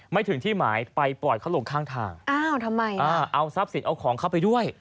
ไม่ถึงที่หมายไปปล่อยเขาลงข้างทางอ้าวทำไมอ่าเอาทรัพย์สินเอาของเขาไปด้วย